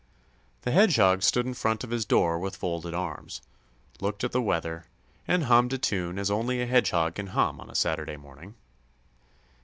The Hedgehog stood in front of his door with folded arms, looked at the weather, and hummed a tune as only a hedgehog can hum on a Saturday morning.